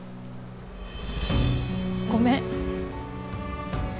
ごめん。